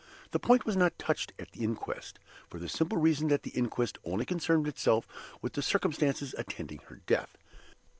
The point was not touched at the inquest, for the simple reason that the inquest only concerned itself with the circumstances attending her death.